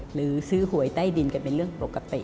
หรือซื้อหวยใต้ดินกันเป็นเรื่องปกติ